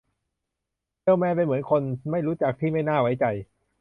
เซลล์แมนเป็นเหมือนคนไม่รู้จักที่ไม่น่าไว้ใจ